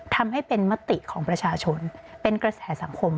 ทำให้เป็นมติของประชาชนเป็นกระแสสังคม